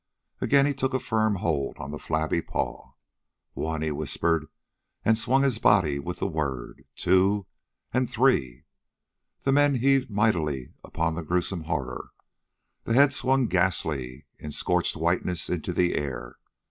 Again he took a firm hold on the flabby paw. "One," he whispered, and swung his body with the word. "Two ... and three!" The men heaved mightily upon the gruesome horror. The head swung ghastly in scorched whiteness into the air.